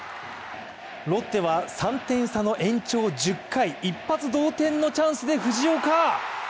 ロッテは３点差の延長１０回一発同点のチャンスで藤岡。